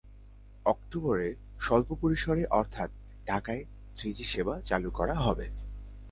অক্টোবরে স্বল্প পরিসরে অর্থাৎ ঢাকায় থ্রিজি সেবা চালু করা হবে।